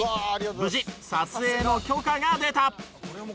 無事撮影の許可が出た。